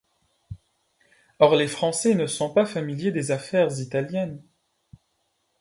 Or les Français ne sont pas familiers des affaires italiennes.